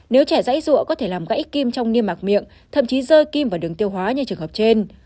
nếu trẻ dãy rụa có thể làm gãy kim trong niêm mạc miệng thậm chí rơi kim vào đường tiêu hóa như trường hợp trên